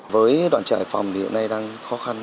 với đoàn trại phòng thì hôm nay đang khó khăn